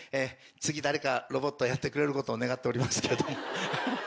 次誰かロボットやってくれることを願っておりますけど。